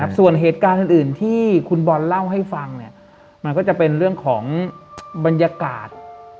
ส่วนเหตุการณ์อื่นที่คุณบอลเล่าให้ฟังมันก็จะเป็นเรื่องของบรรยากาศ